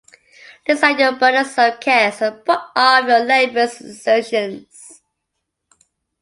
Lay aside your burdensome cares and put off your laborious exertions.